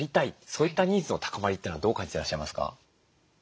そういったニーズの高まりというのはどう感じていらっしゃいますか？